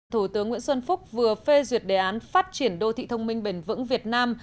thủ tướng nguyễn xuân phúc vừa phê duyệt đề án phát triển đô thị thông minh bền vững việt nam